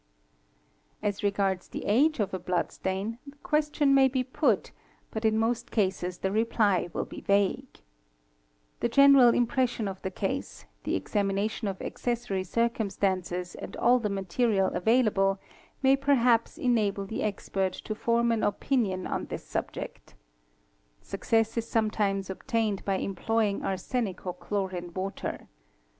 As regards the age of a blood stain the question may be put but ir most cases the reply will be vague "®, The general impression of the case, the examination of accessary circumstances and all the materi available, may perhaps enable the expert to form an opinion on thi subject. Success is sometimes obtained by employing arsenic or chlori 2 water.